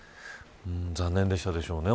残念でしたでしょうね